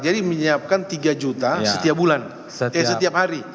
jadi menyiapkan tiga juta setiap bulan setiap hari